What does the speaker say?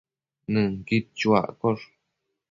Nënquid chuaccosh